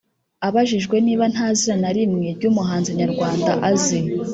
Abajijwe niba nta zina na rimwe ry’umuhanzi nyarwanda azi